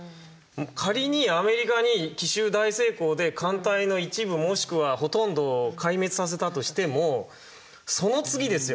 仮にアメリカに奇襲大成功で艦隊の一部もしくはほとんどを壊滅させたとしてもその次ですよ。